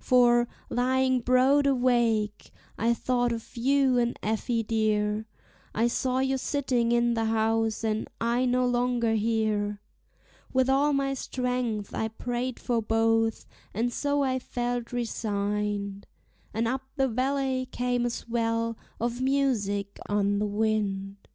For, lying broad awake, T thought of you and Effie dear; I saw you sitting in the house, and I no longer here; With all my strength I prayed for both, and so I felt resigned, And up the valley came a swell of music on the wind.